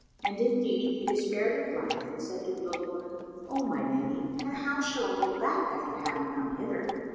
And indeed he despaired of life and said to the old woman, "O my lady, and how shall I go back, after having come hither?